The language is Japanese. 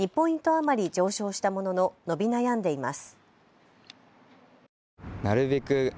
余り上昇したものの伸び悩んでいます。